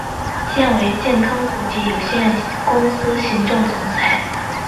现为健康国际有限公司行政总裁。